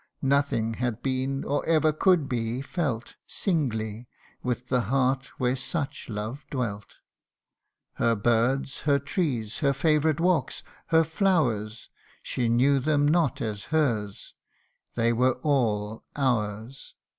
Nothing had been, or ever could be, felt Singly, within the heart where such love dwelt Her birds, her trees, her favourite walks, her flowers, She knew them not as hers they were all ours.